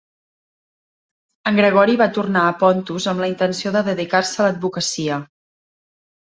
En Gregori va tornar a Pontus amb la intenció de dedicar-se a l'advocacia.